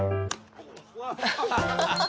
ハハハハ！